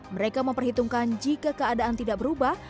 mereka memperhitungkan jika keadaan tidak berubah